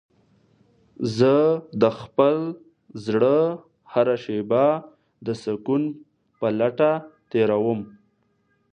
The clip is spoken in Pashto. زه د خپل زړه هره شېبه د سکون په لټه تېرووم.